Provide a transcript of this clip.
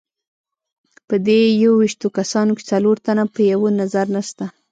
په دې یوویشتو کسانو کې څلور تنه په یوه نظر نسته.